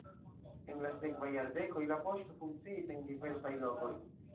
En la sekvaj jardekoj la poŝto funkciis en diversaj lokoj.